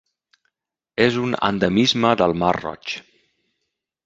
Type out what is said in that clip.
És un endemisme del mar Roig.